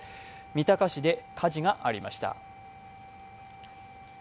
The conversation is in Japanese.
三鷹市で火事がありました。